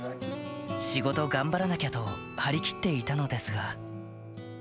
仕事、頑張らなきゃと張り切っていたのですが。